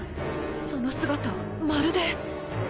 その姿はまるで